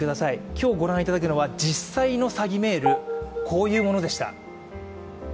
今日ご覧いただくのは実際の詐欺メール、こういうものでした。